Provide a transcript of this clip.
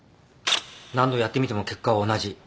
何度やってみても結果は同じ。